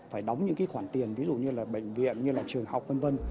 phải đóng những khoản tiền ví dụ như bệnh viện trường học v v